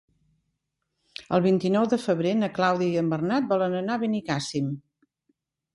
El vint-i-nou de febrer na Clàudia i en Bernat volen anar a Benicàssim.